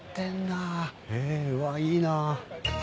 えうわいいなぁ。